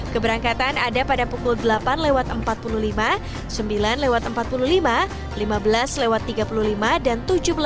keberangkatan ada pada pukul delapan lewat empat puluh lima sembilan empat puluh lima lima belas tiga puluh lima dan tujuh belas